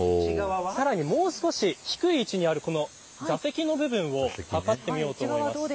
さらにもう少し低い位置にある座席の部分を測ってみようと思います。